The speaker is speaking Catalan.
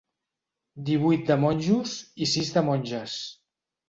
Divuit de monjos i sis de monges.